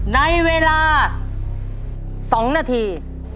ในเวลาสองนาที